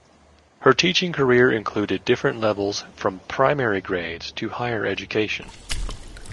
Her teaching career included different levels from primary grades to higher education.